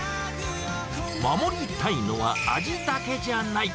守りたいのは味だけじゃない！